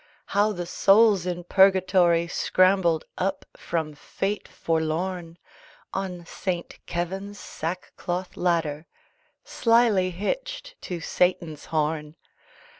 How the souls in Purgatory Scrambled up from fate forlorn On St. Keven's sackcloth ladder Slyly hitched to Satan's horn.